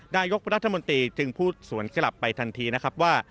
นายกรัฐมนตรีจึงพูดสวนกลับไปทันทีนะครับว่า